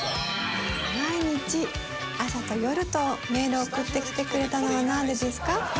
毎日朝と夜とメールを送ってきてくれたのはなんでですか？